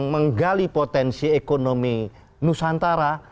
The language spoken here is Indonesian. menggali potensi ekonomi nusantara